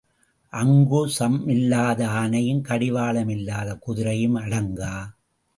அங்குசம் இல்லாத ஆனையும் கடிவாளம் இல்லாத குதிரையும் அடங்கா.